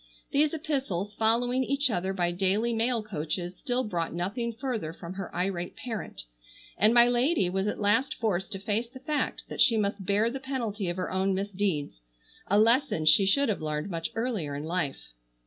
These epistles following each other by daily mail coaches still brought nothing further from her irate parent, and my lady was at last forced to face the fact that she must bear the penalty of her own misdeeds; a lesson she should have learned much earlier in life.